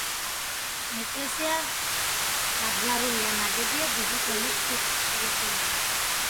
ეკლესია დარბაზულია, ნაგებია დიდი ზომის ქვის ბრტყელი ფილებით.